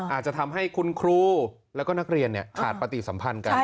อาจจะทำให้คุณครูแล้วก็นักเรียนขาดปฏิสัมพันธ์กัน